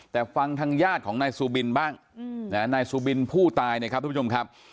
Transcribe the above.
แต่ฟังทางญาติของนายซูบินบ้างนายซูบินผู้ตายนะครับทุกผู้ชมครับ